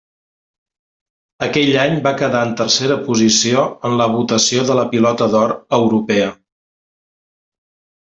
Aquell any va quedar en tercera posició en la votació de la Pilota d'Or europea.